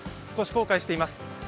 少し後悔しています。